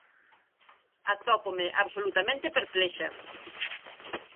Atópome absolutamente perplexa.